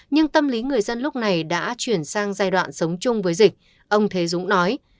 nhưng tâm lý người dân lúc này đã chuyển sang giai đoạn sống chung với dịch ông thế dũng nói